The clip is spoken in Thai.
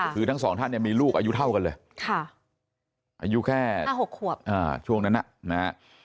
คือทั้งสองท่านเนี่ยมีลูกอายุเท่ากันเลยอายุแค่๕๖ขวบช่วงนั้นนะฮะ